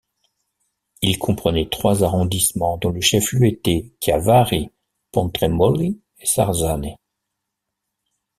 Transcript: Il comprenait trois arrondissements dont les chefs-lieux étaient Chiavari, Pontremoli et Sarzane.